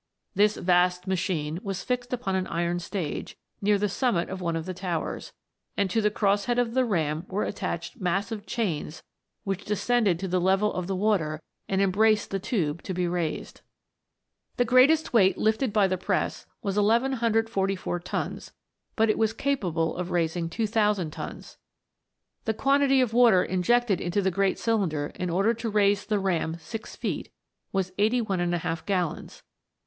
This vast machine was fixed upon an iron stage, near the summit of one of the towers, and to the cross head of the ram were attached massive chains, which descended to the level of the water, and em braced the tube to be raised. The greatest weight lifted by the press was 1144 tons, but it was capable of raising 2000 tons. The quantity of water injected into the great cylinder, in order to raise the ram 6 feet, was 81^ gallons.